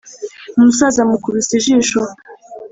umusaza amukubise ijisho